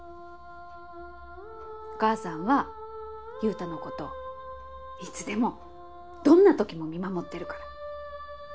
おかあさんは優太のこといつでもどんなときも見守ってるから。